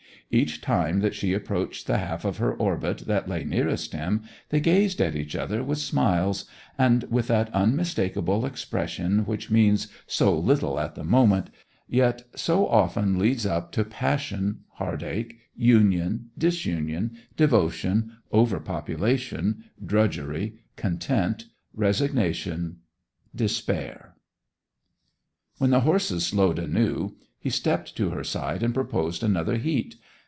Each time that she approached the half of her orbit that lay nearest him they gazed at each other with smiles, and with that unmistakable expression which means so little at the moment, yet so often leads up to passion, heart ache, union, disunion, devotion, overpopulation, drudgery, content, resignation, despair. When the horses slowed anew he stepped to her side and proposed another heat.